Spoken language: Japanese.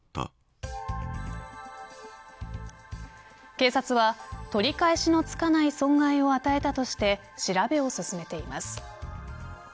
警察は取り返しのつかない損害を与えたとして調べを進めています。